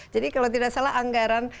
jadi kalau tidak salah anggaran